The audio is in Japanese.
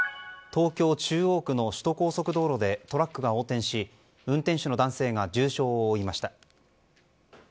東京・中央区の首都高速道路でトラックが横転し運転手の男性が重傷を負いました。